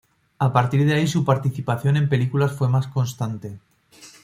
A partir de ahí su participación en películas fue más constante.